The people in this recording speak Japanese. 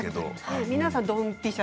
皆さんドンピシャ